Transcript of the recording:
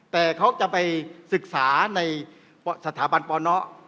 แต่เขาจะไปศึกษาในสถาบันปน